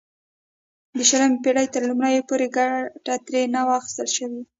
د شلمې پېړۍ تر لومړیو پورې ګټه ترې نه وه اخیستل شوې.